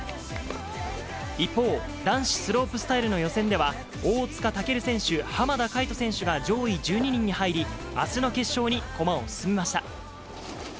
一方、男子スロープスタイルの予選では、大塚健選手、浜田海人選手が上位１２人に入り、あすの決勝に駒を進めました。